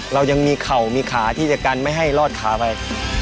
เรายังมีเข่ามีขาที่จะกันไม่ให้รอดขาไป